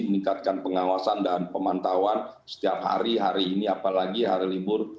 meningkatkan pengawasan dan pemantauan setiap hari hari ini apalagi hari libur